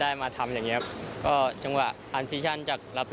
อย่างเบอร์๙นะครับ